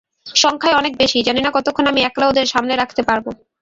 সংখ্যায় অনেক বেশি, জানি না কতক্ষণ আমি একলা ওদের সামলে রাখতে পারব!